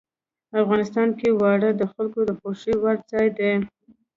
افغانستان کې واوره د خلکو د خوښې وړ ځای دی.